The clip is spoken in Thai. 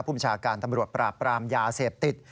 ภูมิชาการตำรวจปราบปรามยาเสพติด